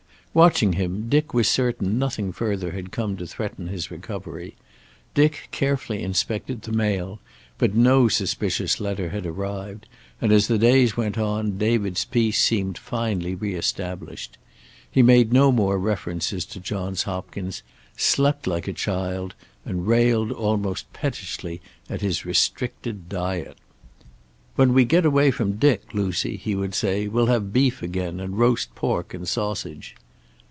Watching him, Dick was certain nothing further had come to threaten his recovery. Dick carefully inspected the mail, but no suspicious letter had arrived, and as the days went on David's peace seemed finally re established. He made no more references to Johns Hopkins, slept like a child, and railed almost pettishly at his restricted diet. "When we get away from Dick, Lucy," he would say, "we'll have beef again, and roast pork and sausage."